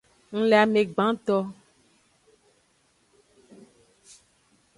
Ng le ame gbanto.